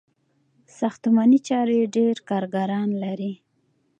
ساختماني چارې ډیر کارګران لري.